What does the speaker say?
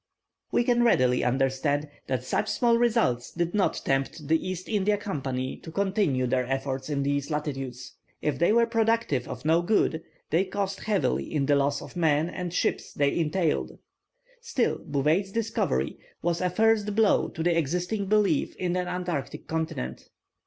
We can readily understand that such small results did not tempt the East India Company to continue their efforts in these latitudes. If they were productive of no good, they cost heavily in the loss of men and ships they entailed. Still Bouvet's discovery was a first blow to the existing belief in an Antarctic continent.